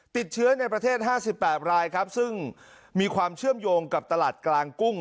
ติดเชื้อในประเทศ๕๘รายครับซึ่งมีความเชื่อมโยงกับตลาดกลางกุ้ง